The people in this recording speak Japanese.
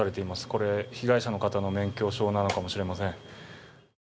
これ、被害者の方の免許証なのかもしれません。